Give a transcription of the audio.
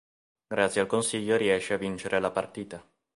Grazie al consiglio riesce a vincere la partita.